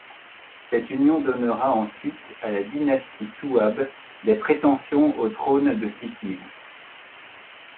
Cette union donnera ensuite à la dynastie souabe des prétentions au trône de Sicile.